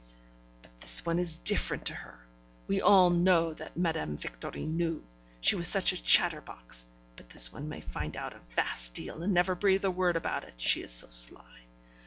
'But this one is different to her; we knew all that Madame Victorine knew, she was such a chatterbox; but this one may find out a vast deal, and never breathe a word about it, she is so sly.